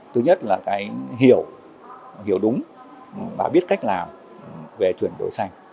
thứ nhất là cái hiểu hiểu đúng và biết cách làm về chuyển đổi xanh